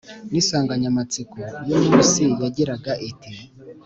n’insanganyamatsiko y’umunsi yagiraga iti :